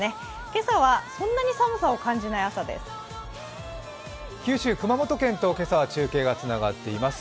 今朝はそんなに寒さを感じない朝です。